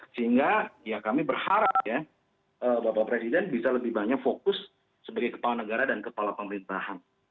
sehingga ya kami berharap ya bapak presiden bisa lebih banyak fokus sebagai kepala negara dan kepala pemerintahan